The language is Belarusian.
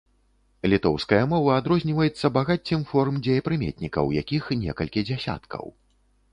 Літоўская мова адрозніваецца багаццем форм дзеепрыметнікаў, якіх некалькі дзясяткаў.